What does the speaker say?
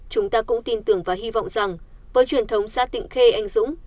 chúng ta cũng tin tưởng và hy vọng rằng với truyền thống xã tịnh khê anh dũng